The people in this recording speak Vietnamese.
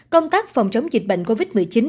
công tác phòng chống dịch bệnh covid một mươi chín